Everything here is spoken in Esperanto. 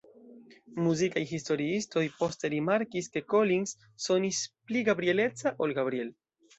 Muzikaj historiistoj poste rimarkis ke Collins sonis "pli Gabriel-eca ol Gabriel".